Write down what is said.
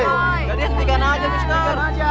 jadi hentikan aja mister